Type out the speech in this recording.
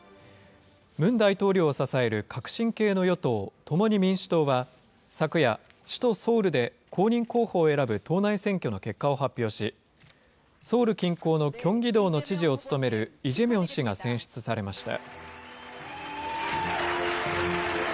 ムン大統領を支える革新系の与党・共に民主党は、昨夜、首都ソウルで公認候補を選ぶ党内選挙の結果を発表し、ソウル近郊のキョンギ道の知事を務める、イ・ジェミョン氏が選出されました。